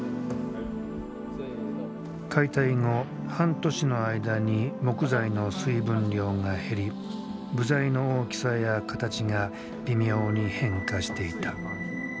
解体後半年の間に木材の水分量が減り部材の大きさや形が微妙に変化していた。